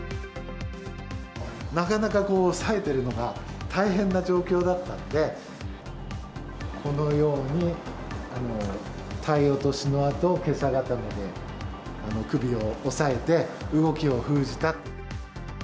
なかなか押さえてるのが大変な状況だったので、このように体落としのあと、けさ固めで首を押さえて動きを封じた。